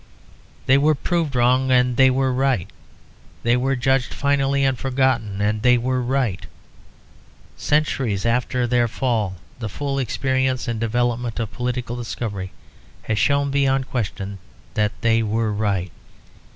They were proved wrong, and they were right. They were judged finally and forgotten, and they were right. Centuries after their fall the full experience and development of political discovery has shown beyond question that they were right.